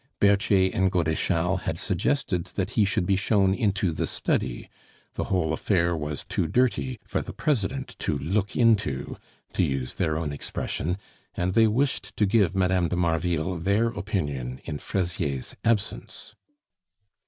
Berthier and Godeschal had suggested that he should be shown into the study; the whole affair was too dirty for the President to look into (to use their own expression), and they wished to give Mme. de Marville their opinion in Fraisier's absence.